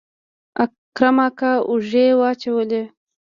اکرم اکا اوږې واچولې.